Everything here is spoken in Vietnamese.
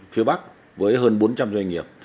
phía bắc với hơn bốn trăm linh doanh nghiệp